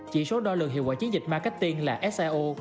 chỉ số đo lượng hiệu quả chiến dịch marketing là seo